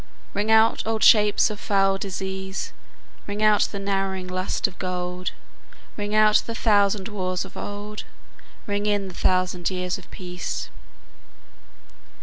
Ring out old shapes of foul disease, Ring out the narrowing lust of gold; Ring out the thousand wars of old, Ring in the thousand years of peace.